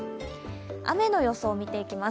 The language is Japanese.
雨の予想を見ていきます。